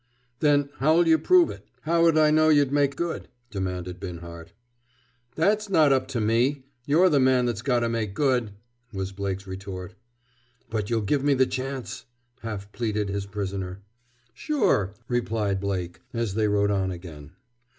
"Then how'll you prove it? How'd I know you'd make good?" demanded Binhart. "That's not up to me! You're the man that's got to make good!" was Blake's retort. "But you'll give me the chance?" half pleaded his prisoner. "Sure!" replied Blake, as they rode on again.